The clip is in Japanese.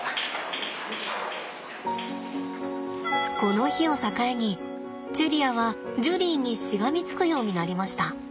この日を境にチェリアはジュリーにしがみつくようになりました。